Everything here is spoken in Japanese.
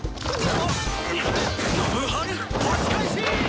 ノブハル押し返し！